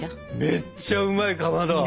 めっちゃうまいかまど。